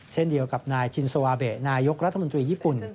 เช่นเดียวกับนายชินสวาเบะนายกรัฐมนตรีญี่ปุ่น